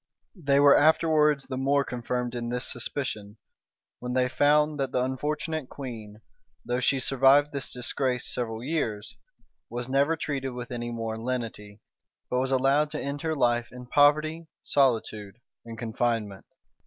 [*] They were afterwards the more confirmed in this suspicion, when they found that the unfortunate queen, though she survived this disgrace several years, was never treated with any more lenity, but was allowed to end her life in poverty, solitude, and confinement.